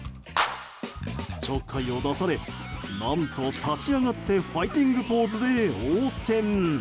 ちょっかいを出され何と立ち上がってファイティングポーズで応戦。